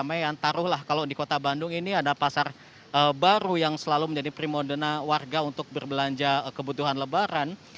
ramai yang taruhlah kalau di kota bandung ini ada pasar baru yang selalu menjadi primodena warga untuk berbelanja kebutuhan lebaran